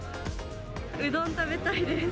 うどん食べたいです。